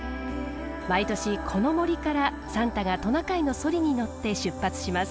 毎年この森からサンタがトナカイのそりに乗って出発します。